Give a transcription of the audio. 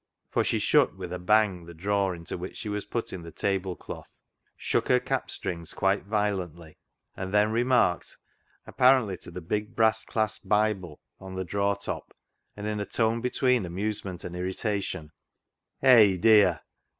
For she shut with a bang the drawer into which she was putting the tablecloth, shook her cap strings quite violently, and then remarked, apparently to the big brass clasped Bible on the drawer top, and in a tone between amusement and irritation —" Hay, dear